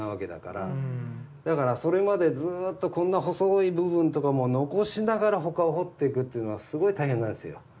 だからそれまでずっとこんな細い部分とかも残しながら他を彫っていくっていうのはすごい大変なんですよ。